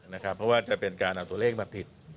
เพราะว่าจะเป็นการเอาตัวเลขมาติด